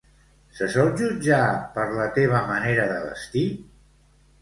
Se sol jutjar per la teva manera de vestir?